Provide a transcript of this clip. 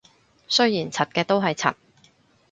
雖然柒嘅都係柒